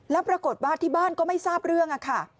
แล้วปรากฏว่าที่บ้านก็ไม่ทราบเรื่องค่ะ